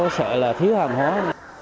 sợ là thiếu hàng hóa